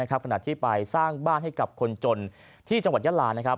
ขณะที่ไปสร้างบ้านให้กับคนจนที่จังหวัดยาลานะครับ